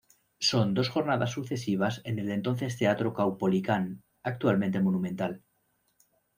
Son dos jornadas sucesivas en el entonces Teatro Caupolicán, actualmente Monumental.